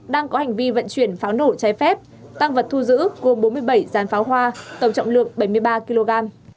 đang có hành vi vận chuyển pháo nổ trái phép tăng vật thu giữ gồm bốn mươi bảy giàn pháo hoa tổng trọng lượng bảy mươi ba kg